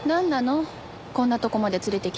こんなとこまで連れてきて。